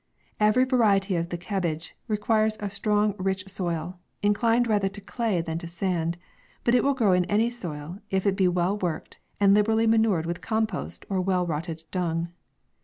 Every variety of the cabbage requires a strong rich soil, inclining rather to clay than to sand ; but will grow in any soil, if it be well worked, and liberally manured with com post, or well rotted dung.